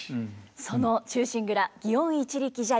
その「忠臣蔵園一力茶屋」